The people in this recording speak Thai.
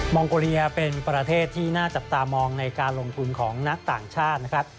องโกเลียเป็นประเทศที่น่าจับตามองในการลงทุนของนักต่างชาตินะครับ